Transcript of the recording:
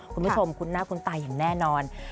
คุณผู้ชมคุ้นหน้าคุ้นตาอย่างแน่นอน